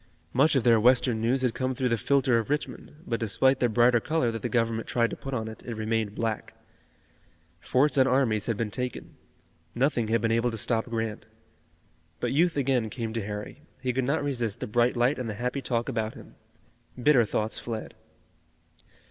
Much of their Western news had come through the filter of Richmond, but despite the brighter color that the Government tried to put on it, it remained black. Forts and armies had been taken. Nothing had been able to stop Grant. But youth again came to Harry. He could not resist the bright light and the happy talk about him. Bitter thoughts fled.